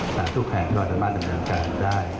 สาธุแผงโดยสามารถดำเนินการได้